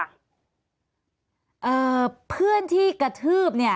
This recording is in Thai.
เพื่อนที่กระทืบเนี่ย